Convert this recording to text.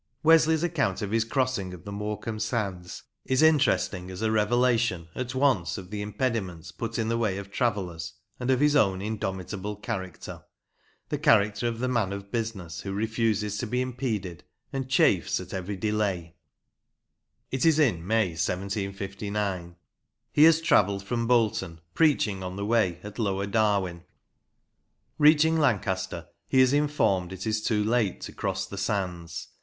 Wesley's account of his crossing of the Morecambe sands is interesting as a revelation at once of the impediments put in the way of travellers and of his own indomitable character the character of the man of business who refuses to be impeded and chafes at 70 MEMORIALS OF OLD LANCASHIRE every delay. It is in May, 1759. He has travelled from Bolton, preaching on the way at Lower Darwen. Reaching Lancaster, he is informed it is too late to cross the sands.